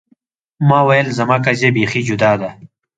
ما ویل زما قضیه بیخي جدا ده.